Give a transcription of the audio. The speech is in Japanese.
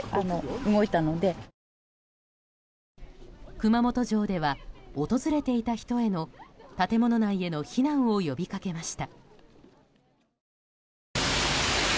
熊本城では訪れていた人への建物中への避難を呼びかけました。